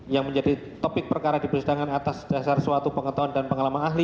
yang menjadi topik perkara di persidangan atas dasar suatu pengetahuan dan pengalaman ahli